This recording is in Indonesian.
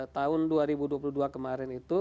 tahun dua ribu dua puluh dua kemarin itu